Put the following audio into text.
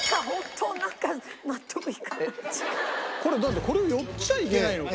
これだってこれ寄っちゃいけないのか。